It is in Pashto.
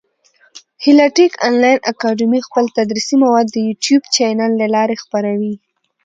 هیله ټېک انلاین اکاډمي خپل تدریسي مواد د يوټیوب چېنل له لاري خپره وي.